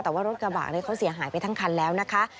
แต่ว่ารถกระบะเขาเสียหายไปทั้งคันแล้วนะคะ